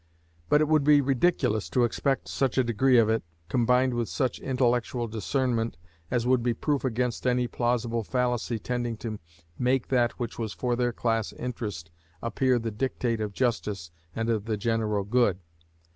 But it would be ridiculous to expect such a degree of it, combined with such intellectual discernment, as would be proof against any plausible fallacy tending to make that which was for their class interest appear the dictate of justice and of the general good.